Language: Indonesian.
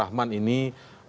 apakah memang posisi aman abad